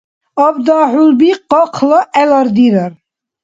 Абда хӀулби къакъла гӀелар дирар.